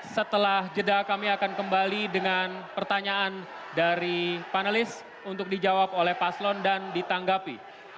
setelah jeda kami akan kembali dengan pertanyaan dari panelis untuk dijawab oleh paslon dan ditanggapi